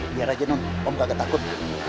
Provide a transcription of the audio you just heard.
biar aja non om gak ketakut